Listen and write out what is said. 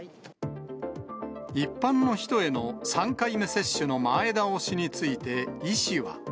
一般の人への３回目接種の前倒しについて、医師は。